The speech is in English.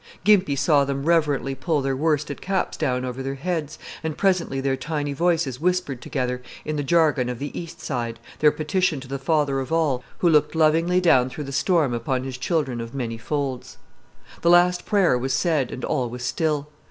Gimpy saw them reverently pull their worsted caps down over their heads, and presently their tiny voices whispered together, in the jargon of the East Side, their petition to the Father of all, who looked lovingly down through the storm upon his children of many folds. The last prayer was said, and all was still.